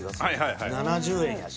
７０円やし。